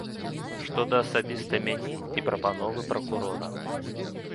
Што да асабіста мяне і прапановы пракурора.